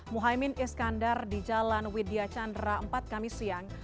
muhaymin iskandar di jalan widya chandra empat kami siang